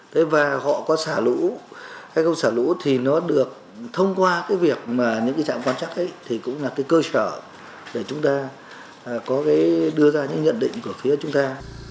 thế và họ có xả lũ hay không xả lũ thì nó được thông qua cái việc mà những cái trạm quan chắc ấy thì cũng là cái cơ sở để chúng ta có cái đưa ra những nhận định của phía chúng ta